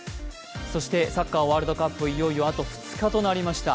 そしてサッカーワールドカップいよいよあと２日となりました。